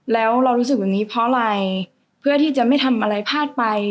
แล้วเรารู้สึกแบบนี้เพราะอะไรเพื่อที่จะไม่ทำอะไรพลาดไป